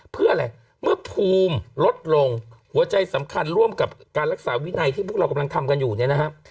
เพื่ออะไรเมื่อภูมิลดลงหัวใจสำคัญร่วมกับการรักษาวินัยที่พวกเรากำลังทำกันอยู่เนี่ยนะครับ